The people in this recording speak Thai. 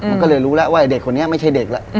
มันก็เลยรู้แล้วว่าเด็กคนนี้ไม่ใช่เด็กแล้ว